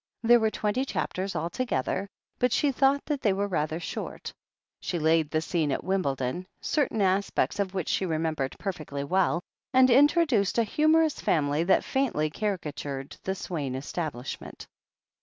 There were twenty chapters alto gether, but she thought that they were rather short. She laid the scene at Wimbledon, certain aspects of which she remembered perfectly well, and introduced a humorous family that faintly caricatured the Swaine establishment.